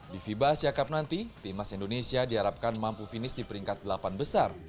di fiba asia cup nanti timnas indonesia diharapkan mampu finish di peringkat delapan besar